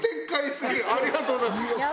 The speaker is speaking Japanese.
ありがとうございます。